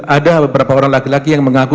ada beberapa orang laki laki yang mengaku